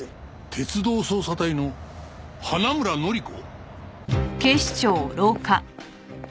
鉄道捜査隊の花村乃里子？